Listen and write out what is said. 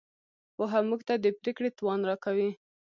پوهه موږ ته د پرېکړې توان راکوي.